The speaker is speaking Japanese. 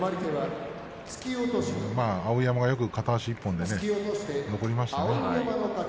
碧山がよく片足１本で残りましたね。